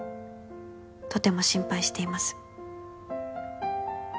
「とても心配しています」